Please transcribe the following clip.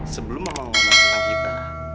sebelum mama ngomong tentang kita